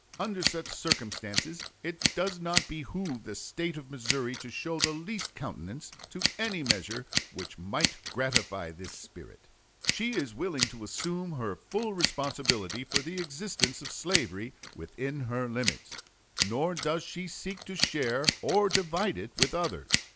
Under such circumstances it does not behoove the State of Missouri to show the least countenance to any measure which might gratify this spirit. She is willing to assume her full responsibility for the existence slavery within her limits, nor does she seek to share or divide it with others.